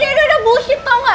udah udah bullshit tau gak